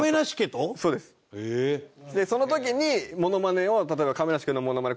その時にモノマネを例えば亀梨君のモノマネ